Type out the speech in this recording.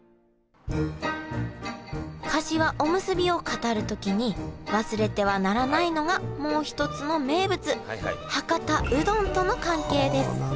かしわおむすびを語る時に忘れてはならないのがもう一つの名物博多うどんとの関係です。